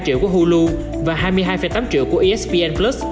bốn mươi sáu hai triệu của hulu và hai mươi hai tám triệu của espn